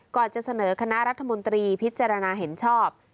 ก่อนจะเสนอคณะรัฐมนตรีพิจารณาเห็นชอบ